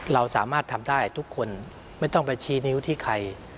เราสามารถทำได้ทุกคนไม่ต้องไปชี้นิ้วที่ใคร